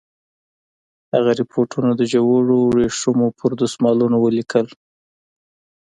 هغه رپوټونه د ژړو ورېښمو پر دسمالونو ولیکل.